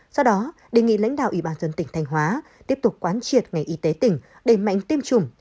do đó đề nghị lãnh đạo ủy ban dân tỉnh thanh hóa tiếp tục quán triệt ngành y tế tỉnh đẩy mạnh tiêm chủng